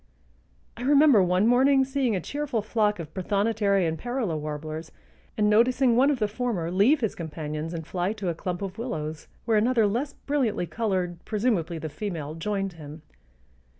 I remember one morning seeing a cheerful flock of prothonotary and parula warblers and noticing one of the former leave his companions and fly to a clump of willows where another less brilliantly colored, presumably the female, joined him.